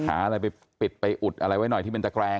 หาอะไรไปปิดไปอุดอะไรไว้หน่อยที่เป็นตะแกรง